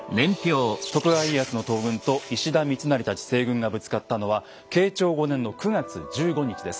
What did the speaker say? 徳川家康の東軍と石田三成たち西軍がぶつかったのは慶長５年の９月１５日です。